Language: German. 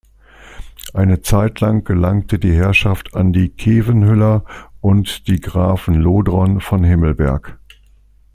Eine Zeitlang gelangte die Herrschaft an die Khevenhüller und die Grafen Lodron von Himmelberg.